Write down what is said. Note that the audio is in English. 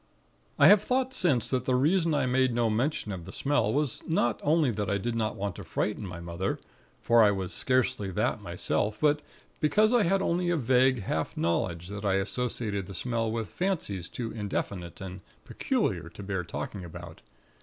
"I have thought since that the reason I made no mention of the smell, was not only that I did not want to frighten my mother, for I was scarcely that myself; but because I had only a vague half knowledge that I associated the smell with fancies too indefinite and peculiar to bear talking about.